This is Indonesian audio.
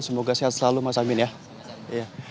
semoga sehat selalu mas amin ya